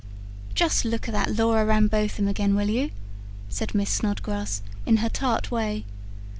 "Just look at that Laura Rambotham again, will you?" said Miss Snodgrass in her tart way.